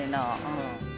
うん。